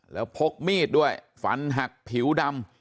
แล้วพกมีดด้วยฝันหักผิวดำ